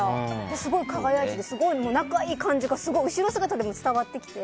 すごい輝いててすごい仲がいい感じが後ろ姿でも伝わってきて。